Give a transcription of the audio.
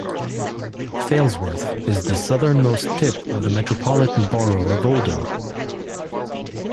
Failsworth is the southernmost tip of the Metropolitan Borough of Oldham.